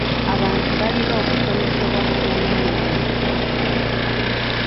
Abantu balina okusomesebwa ku bwannannyini ku ttaka.